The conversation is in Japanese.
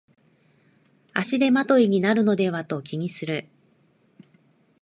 足手まといになるのではと気にする